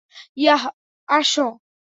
Yeah, আসো।